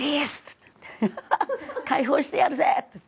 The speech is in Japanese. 解放してやるぜって。